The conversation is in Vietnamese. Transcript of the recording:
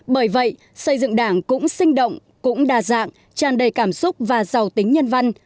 bởi vậy xây dựng đảng cũng sinh động cũng đa dạng tràn đầy cảm xúc và giàu tính nhân văn